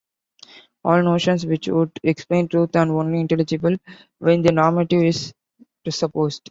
All notions which would explain truth are only intelligible when the normative is presupposed.